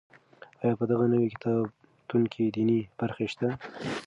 آیا په دغه نوي کتابتون کې دیني برخې شته؟